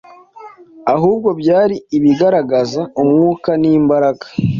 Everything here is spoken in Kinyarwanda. ahubwo byari ibigaragaza Umwuka n’imbaraga,”